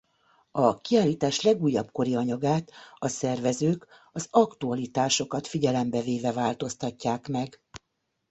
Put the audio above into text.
A kiállítás legújabb kori anyagát a szervezők az aktualitásokat figyelembe véve változtatják meg.